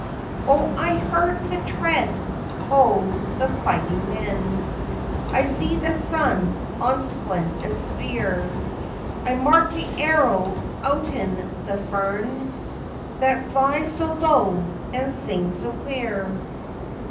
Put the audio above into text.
"Oh, I hear the tread o' the fighting men, I see the sun on splent and spear! I mark the arrow outen the fern! That flies so low and sings so clear!